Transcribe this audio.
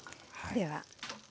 では。